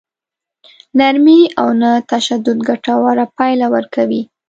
نرمي او نه تشدد ګټوره پايله ورکوي.